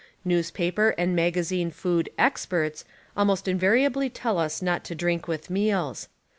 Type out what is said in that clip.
Newspaper and magazine food "ex perts" almost invariably tell us not to drink with meals.